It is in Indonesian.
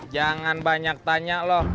jangan banyak tanya loh